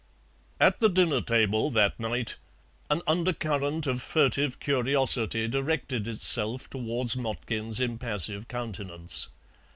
At the dinner table that night an undercurrent of furtive curiosity directed itself towards Motkin's impassive countenance.